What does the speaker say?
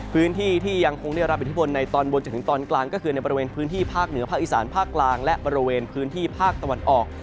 พื้นที่ที่ยังคงได้รับอิทธิพลในตอนบนจนถึงตอนกลางก็คือในบริเวณพื้นที่ภาคเหนือภาคอีสานภาคกลางและบริเวณพื้นที่ภาคตะวันออก